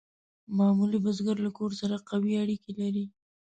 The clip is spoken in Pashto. معمولي بزګر له کور سره قوي اړیکې لرلې.